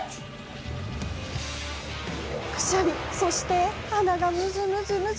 くしゃみ、そして鼻がむずむず。